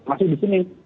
masih di sini